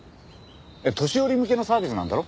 年寄り向けのサービスなんだろ？